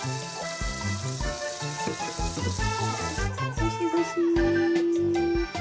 ごしごし。